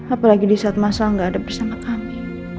apalagi saat mas al gak ada bersama kami